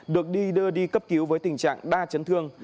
được đi đưa đi cấp cứu với tình trạng đa chấn thương